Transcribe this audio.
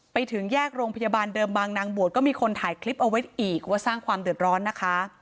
ไปถึงแยกโรงพยาบาลเดิมบางนางบวชก็มีคนถ่ายคลิปเอาไว้อีกว่าสร้างความเดือดร้อนนะคะ